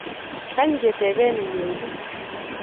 kany ketebe nenyoru.